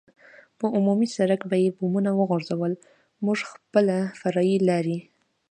پر عمومي سړک به یې بمونه وغورځول، موږ خپله فرعي لارې.